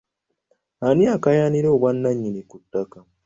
Ani akaayanira obwannannyini ku ttaka?